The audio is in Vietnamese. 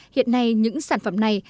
hiện nay những sản phẩm này